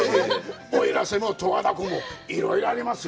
奥入瀬も十和田湖もいろいろありますよ。